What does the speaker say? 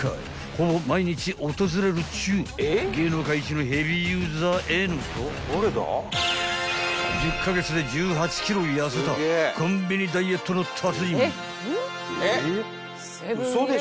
ほぼ毎日訪れるっちゅう芸能界一のヘビーユーザーＮと１０カ月で１８ｋｇ痩せたコンビニダイエットの達人］